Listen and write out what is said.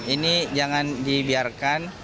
ini jangan dibiarkan